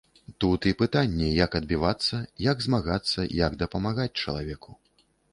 Тут і пытанне, як адбівацца, як змагацца, як дапамагаць чалавеку.